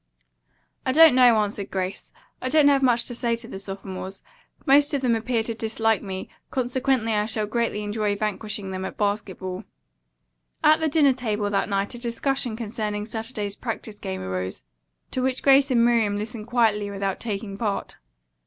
"I don't know," answered Grace. "I don't have much to say to the sophomores. Most of them appear to dislike me, consequently I shall greatly enjoy vanquishing them at basketball." At the dinner table that night a discussion concerning Saturday's practice game arose, to which Grace and Miriam listened quietly without taking part.